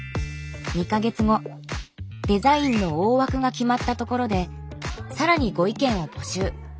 デザインの大枠が決まったところで更にご意見を募集。